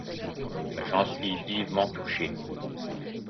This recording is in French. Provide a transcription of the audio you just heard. J'en suis vivement touché...